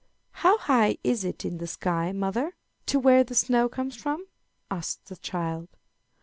"How high is it in the sky, mother, to where the snow comes from?" asks the child.